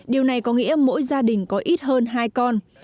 điều này có nghĩa mỗi gia đình có ít hơn hai con